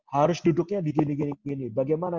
harus duduknya di gini gini bagaimana